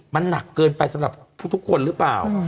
มันหนักเกินไปสำหรับทุกคนหรือเปล่า